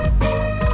tete aku mau